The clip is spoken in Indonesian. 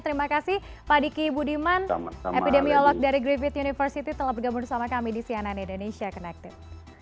terima kasih pak diki budiman epidemiolog dari griffith university telah bergabung bersama kami di cnn indonesia connected